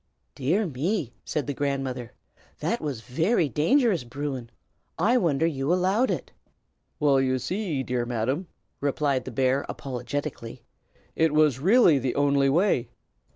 "Dear me!" said the grandmother, "that was very dangerous, Bruin. I wonder you allowed it." "Well, you see, dear Madam," replied the bear, apologetically, "it was really the only way.